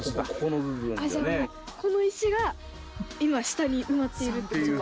じゃもうこの石が今下に埋まっているってことだ。